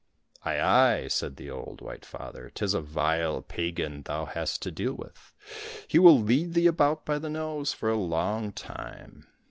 —" Aye, aye !" said the old white father, " 'tis a vile pagan thou hast to deal with ; he will lead thee about by the nose for a long time."